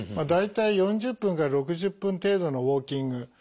大体４０分から６０分程度のウォーキング。